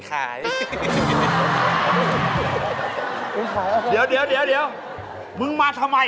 ขายแล้วเดี๋ยวเดี๋ยวมึงมาทำไมนี่